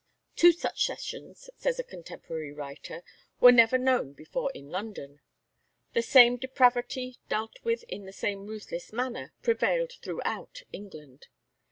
"Two such sessions," says a contemporary writer, "were never known before in London." The same depravity, dealt with in the same ruthless manner, prevailed throughout England.